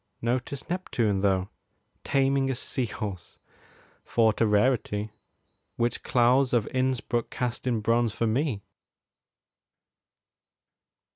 Notice Neptune, though, Taming a sea horse, thought a rarity, Which Claus of Innsbruck cast in bronze for me!